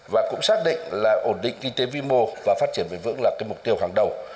và cũng xác định là ổn định kinh tế vĩ mô và phát triển vĩ vững là mục tiêu hàng đầu